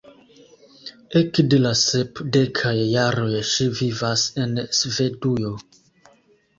Ekde la sepdekaj jaroj ŝi vivas en Svedujo.